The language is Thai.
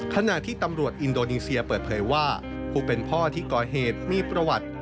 ขณะที่ตำรวจอินโดนีเซียเปิดเผยว่าผู้เป็นพ่อที่ก่อเหตุมีประวัติ